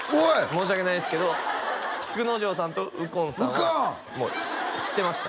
申し訳ないですけど菊之丞さんと右近さんはもう知ってました